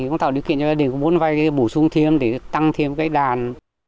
nếu kiện gia đình muốn vây thì bổ sung thêm để tăng thêm cái đàn